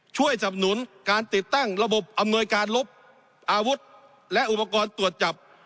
สับหนุนการติดตั้งระบบอำนวยการลบอาวุธและอุปกรณ์ตรวจจับ